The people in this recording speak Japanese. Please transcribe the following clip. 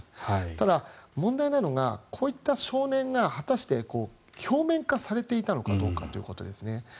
ただ、問題なのがこういった少年が果たして、表面化されていたのかどうかということですね。